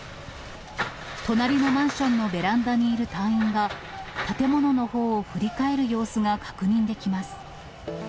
隣のマンションのベランダにいる隊員が、建物のほうを振り返る様子が確認できます。